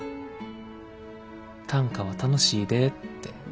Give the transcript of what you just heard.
短歌は楽しいでってことかな。